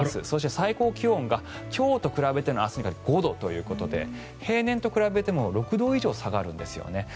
そして最高気温が今日と比べて５度ということで平年と比べても６度以上下がるんですよね。